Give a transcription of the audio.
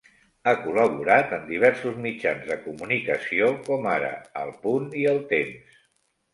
Ha col·laborat en diversos mitjans de comunicació com ara El Punt i El Temps.